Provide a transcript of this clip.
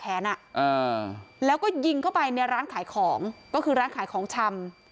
แล้วก็ยิงเข้าไปในร้านขายของก็คือร้านขายของชำ